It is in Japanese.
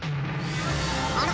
あら！